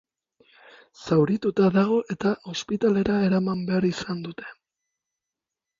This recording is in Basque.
Zaurituta dago eta ospitalera eraman behar izan dute.